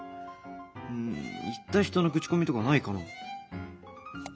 うん行った人の口コミとかないかな？